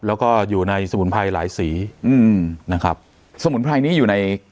แล้วก็อยู่ในสมุนไพรหลายสีอืมนะครับสมุนไพรนี้อยู่ใน